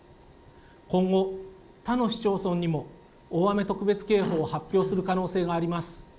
今後、他の市町村にも大雨特別警報を発表する可能性があります。